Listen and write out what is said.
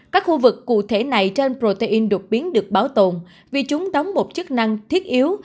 các khu vực cụ thể này trên protein đột biến được bảo tồn vì chúng đóng một chức năng thiết yếu